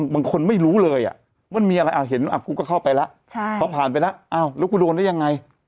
บางคนไม่รู้เลยอ่ะมันมีอะไรผมเข้าไปและแล้วผมขับรถและพันไปและเร็วกูโดนเรื่องกันยังไง